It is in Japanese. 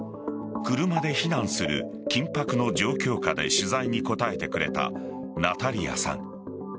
車で避難する緊迫の状況下で取材に答えてくれたナタリアさん。